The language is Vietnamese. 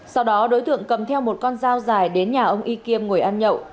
sau đó đối tượng cầm theo một con dao dài đến nhà ông y kiêm ngồi ăn nhậu